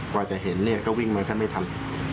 กว่าจะเห็นเนี่ยก็วิ่งมาแทบไม่ทัน